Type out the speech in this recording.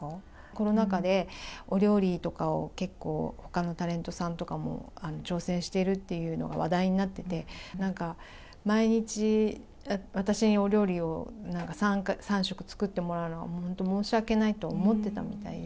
コロナ禍で、お料理とかを結構、ほかのタレントさんとかも挑戦しているっていうのが話題になってて、なんか毎日、私にお料理をなんか三食作ってもらうのは、もう本当申し訳ないと思ってたみたいで。